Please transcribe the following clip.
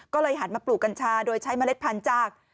ก็เลยหันมาปลูกกัญชาโดยใช้เมล็ดพันธุ์จาก